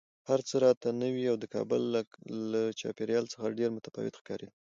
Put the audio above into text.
هر څه راته نوي او د کابل له چاپېریال څخه ډېر متفاوت ښکارېدل